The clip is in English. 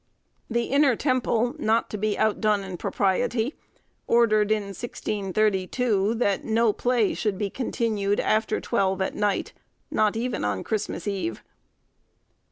The Inner Temple, not to be outdone in propriety, ordered, in 1632, that no play should be continued after twelve at night, not even on Christmas Eve.